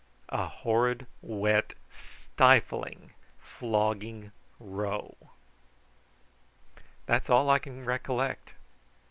A horrid wet, stifling, flogging row. That's all I can recollect.